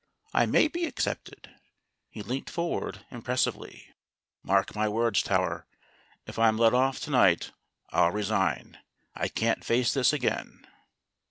I may be accepted." He leant forward impressively. "Mark my words, Tower, if I'm let off to night I'll resign. I can't face this again."